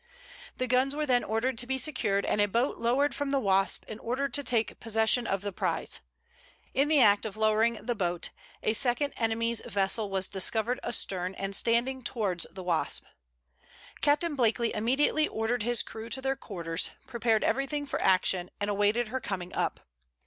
The guns were then ordered to be secured, and a boat lowered from the Wasp in order to take possession of the prize. In the act of lowering the boat, a second enemy's vessel was discovered astern and standing towards the Wasp. Captain Blakely immediately ordered his crew to their quarters, prepared every thing for action, and awaited her coming up.